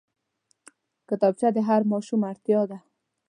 کتابچه د هر ماشوم اړتيا ده